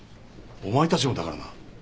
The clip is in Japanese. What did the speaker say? お前たちもだからな。